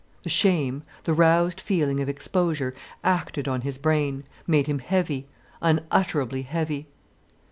The shame, the roused feeling of exposure acted on his brain, made him heavy, unutterably heavy.